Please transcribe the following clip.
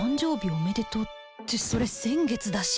おめでとうってそれ先月だし